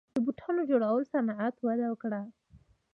د بوټانو جوړولو صنعت وده کړې